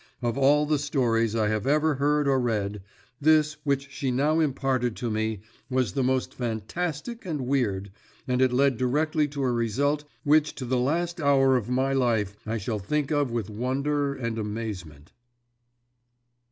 Of all the stories I had ever heard or read, this which she now imparted to me was the most fantastic and weird, and it led directly to a result which to the last hour of my life I shall think of with wonder and amazement.